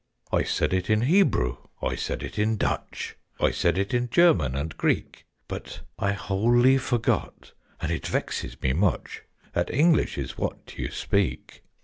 "I said it in Hebrew I said it in Dutch I said it in German and Greek: But I wholly forgot (and it vexes me much) That English is what you speak!"